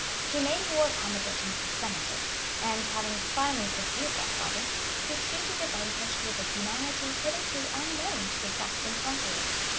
He made war upon the Britons in Somerset; and, having finally subdued that province, he treated the vanquished with a humanity hitherto unknown to the Saxon conquerors.